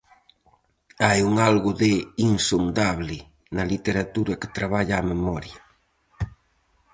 Hai un algo de insondable na literatura que traballa a memoria.